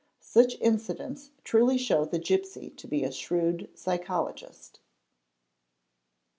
Such incidents truly show the gipsy _ to be a shrewd psychologist.